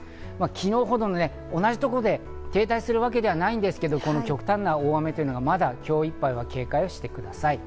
昨日ほどの同じところで停滞するわけではないんですが、極端な大雨が今日いっぱい警戒してください。